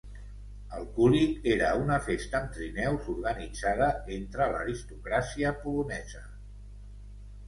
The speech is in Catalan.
El "kulig" era una festa amb trineus organitzada entre l'aristocràcia polonesa.